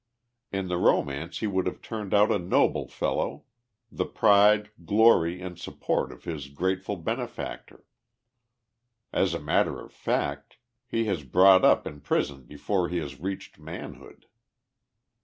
In the romance he would have turned out a noble fellow, the pride, glory and support of his grateful benefactor. As a matter of fact, he has brought up in prison before lie has reached manhood.